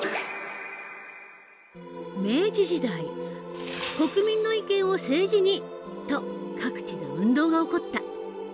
明治時代「国民の意見を政治に！」と各地で運動が起こった。